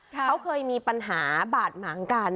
เขาเคยมีปัญหาบาดหมางกัน